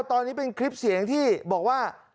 ตอนนี้เป็นคลิปเสียงที่บอกว่า